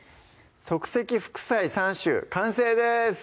「即席副菜３種」完成です